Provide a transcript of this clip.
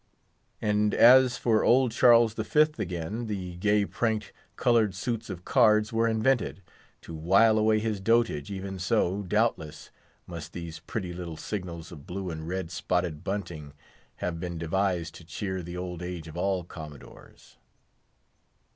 And as for old Charles the Fifth, again, the gay pranked, coloured suits of cards were invented, to while away his dotage, even so, doubtless, must these pretty little signals of blue and red spotted bunting have been devised to cheer the old age of all Commodores.